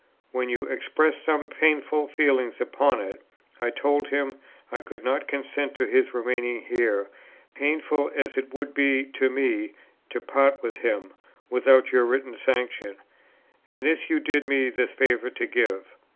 When you expressed some painful feeling upon it, I told him I could not consent to his remaining here, painful as it would be to me to part with him, without your written sanction. And this you did me the favour to give.